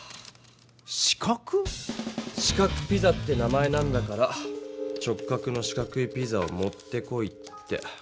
「四角ピザ」って名前なんだから直角の四角いピザを持ってこいって。